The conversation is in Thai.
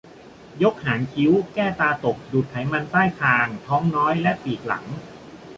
ยกหางคิ้ว แก้ตาตก ดูดไขมันใต้คาง ท้องน้อย และปีกหลัง